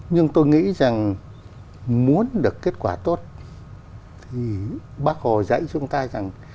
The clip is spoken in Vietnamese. nhưng tôi nghĩ rằng muốn được kết quả tốt thì bác hồ dạy chúng ta rằng